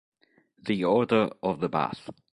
The Order of the Bath